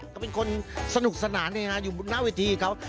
เขาเป็นคนสนุกสนานอยู่หน้าวิธีครับ